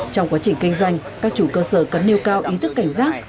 trong quá trình kinh doanh các chủ cơ sở cần nêu cao ý thức cảnh giác